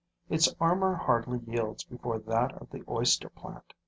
Its armor hardly yields before that of the oyster plant.